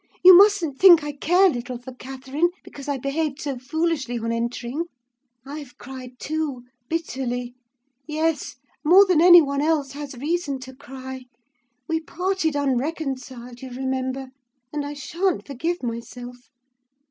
You mustn't think I care little for Catherine, because I behaved so foolishly on entering: I've cried, too, bitterly—yes, more than any one else has reason to cry. We parted unreconciled, you remember, and I sha'n't forgive myself.